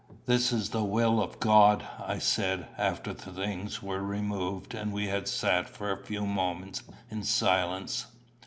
"This is the will of God," I said, after the things were removed, and we had sat for a few moments in silence.